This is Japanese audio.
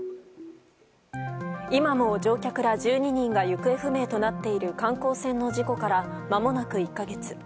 今も乗客ら１２人が行方不明となっている観光船の事故からまもなく１か月。